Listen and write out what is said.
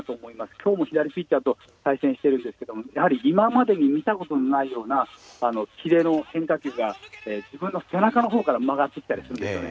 今日も左ピッチャーと対戦してるんですけれどもやはり今までに見た事のないようなキレの変化球が自分の背中の方から曲がってきたりするんですよね。